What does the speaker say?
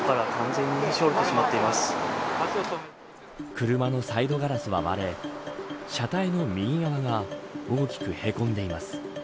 車のサイドガラスは割れ車体の右側が大きくへこんでいます。